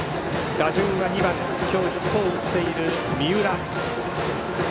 打順は２番今日ヒットを打っている三浦。